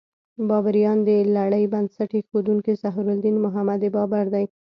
بابریان: د لړۍ بنسټ ایښودونکی ظهیرالدین محمد بابر دی.